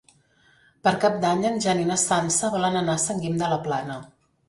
Per Cap d'Any en Jan i na Sança volen anar a Sant Guim de la Plana.